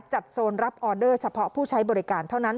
โซนรับออเดอร์เฉพาะผู้ใช้บริการเท่านั้น